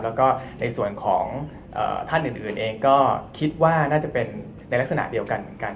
แล้วก็ในส่วนของท่านอื่นเองก็คิดว่าน่าจะเป็นในลักษณะเดียวกันเหมือนกัน